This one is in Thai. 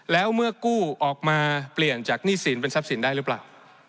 แล้วเมื่อกู้ออกมาเปลี่ยนจากหนี้สินเป็นทรัพย์สินได้หรือเปล่า